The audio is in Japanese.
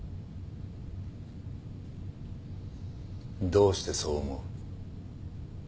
どうしてそう思う？